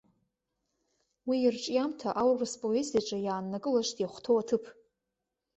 Уи ирҿиамҭа аурыс поезиаҿы иааннакылашт иахәҭоу аҭыԥ.